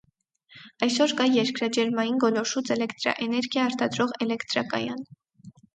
Այսօր կա երկրաջերմային գոլորշուց էլեկտրաէներգիա արտադրող էլեկտրակայան։